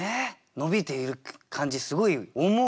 伸びていく感じすごい思うわ。